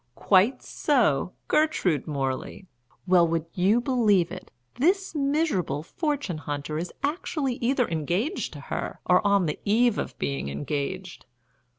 "Quite so Gertrude Morley. Well, would you believe it, this miserable fortune hunter is actually either engaged to her or on the eve of being engaged!